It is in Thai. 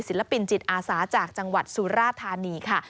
ศิลปินจิตอาสาจากจังหวัดสุราธานีค่ะ